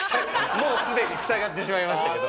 もうすでにふさがってしまいましたけど。